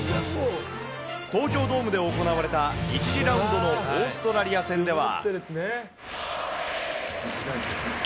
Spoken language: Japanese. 東京ドームで行われた１次ラウンドのオーストラリア戦では。